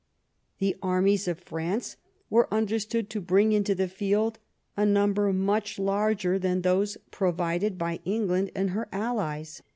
The armies of France were understood to bring into the field a number much larger than those provided by England and her allies.